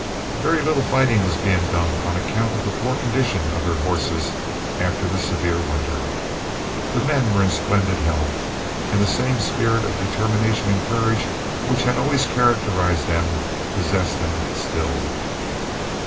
Very little fighting was being done on account of the poor condition of their horses after the severe winter. The men were in splendid health, and the same spirit of determination and courage which had always characterised them possessed them still.